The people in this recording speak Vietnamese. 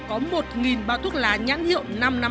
có một bao thuốc lá nhãn hiệu năm trăm năm mươi